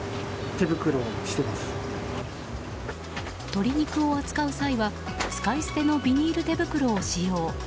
鶏肉を扱う際は使い捨てのビニール手袋を使用。